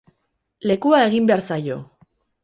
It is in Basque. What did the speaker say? Lekua egin behar zaio!